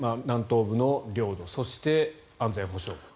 南東部の領土そして安全保障。